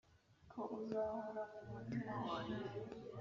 ko uzahora mu mutima wanjye,